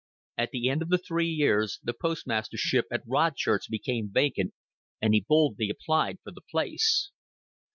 At the end of the three years the postmastership at Rodchurch became vacant, and he boldly applied for the place.